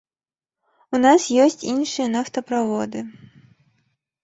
У нас ёсць іншыя нафтаправоды.